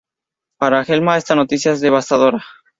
Para Thelma esta noticia es devastadora.